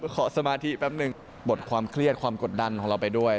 สมาธิแป๊บหนึ่งบทความเครียดความกดดันของเราไปด้วย